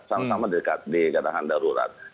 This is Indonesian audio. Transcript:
sama sama dekat dikatakan darurat